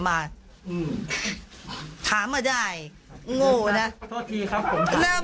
แม่ของแม่ชีอู๋ได้รู้ว่าแม่ของแม่ชีอู๋ได้รู้ว่า